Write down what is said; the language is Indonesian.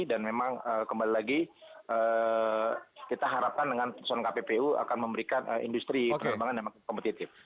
dan memang kembali lagi kita harapkan dengan komisioner kppu akan memberikan industri penerbangan yang makin kompetitif